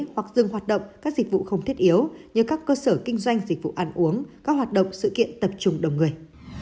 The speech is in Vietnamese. hoặc dừng hoạt động các dịch vụ không thiết yếu như các cơ sở kinh doanh dịch vụ ăn uống các hoạt động sự kiện tập trung đông người